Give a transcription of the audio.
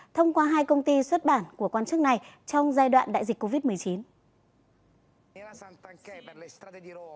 thông qua hai công ty xuất bản của quan chức này trong giai đoạn đại dịch covid một mươi chín